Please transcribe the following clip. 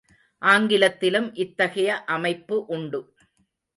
ஆங்கிலத்திலும் இத்தகைய அமைப்பு உண்டு.